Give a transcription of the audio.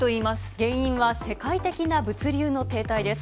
原因は世界的な物流の停滞です。